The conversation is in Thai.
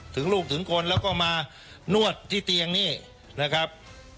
ถึงลูกถึงคนแล้วก็มานวดที่เตียงนี่นะครับ